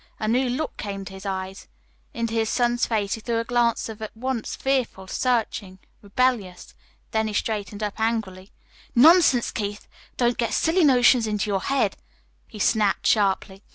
A new look came to his eyes. Into his son's face he threw a glance at once fearful, searching, rebellious. Then he straightened up angrily. "Nonsense, Keith! Don't get silly notions into your head," he snapped sharply.